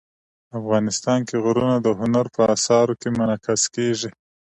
افغانستان کې غرونه د هنر په اثار کې منعکس کېږي.